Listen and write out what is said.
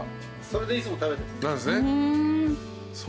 それでいつも食べてます。